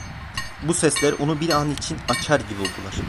Bu sesler onu bir an için açar gibi oldular.